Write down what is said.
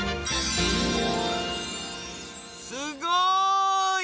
すごい！